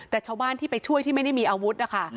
แต่ชาวบ้านที่ไปช่วยที่ไม่ได้มีอาวุธนะคะ